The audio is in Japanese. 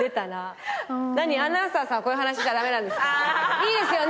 いいですよね？